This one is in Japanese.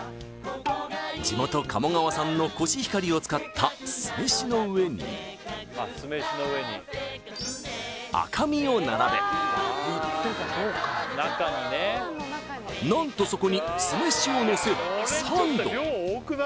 地元鴨川産のコシヒカリを使った酢飯の上に赤身を並べ何とそこに酢飯をのせサンド